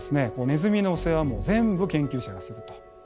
ネズミの世話も全部研究者がすると。